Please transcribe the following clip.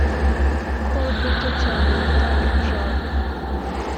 ku duto cyane bita injanga